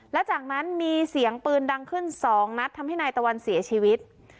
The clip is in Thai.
และจากนั้นมีเสียงปืนดังขึ้น๒นัดทำให้นายตะวันเสียชีวิต